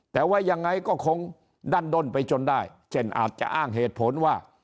แต่ว่ายังไงก็คงดั้นด้นไปจนได้เช่นอาจจะอ้างเหตุผลว่า